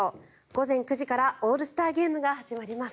午前９時からオールスターゲームが始まります。